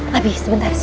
habi sebentar sini